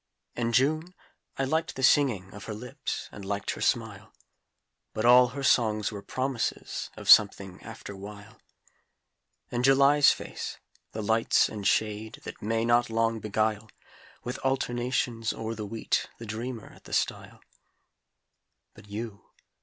And June I liked the singing Of her lips, and liked her smile But all her songs were promises Of something, after while; And July's face the lights and shade That may not long beguile, With alternations o'er the wheat The dreamer at the stile. But you!